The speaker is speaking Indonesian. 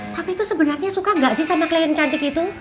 papi tuh sebenarnya suka gak sih sama klien cantik itu